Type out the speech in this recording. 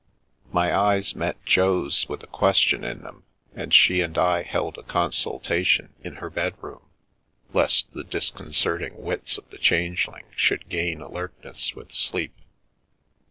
My eyes met Jo's with a question in them, and she and I held a consultation, in her bedroom, lest the disconcerting wits of the Changeling should gain alertness with sleep.